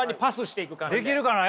できるかな